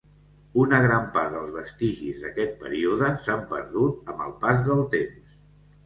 Una gran part dels vestigis d'aquest període s'han perdut amb el pas del temps.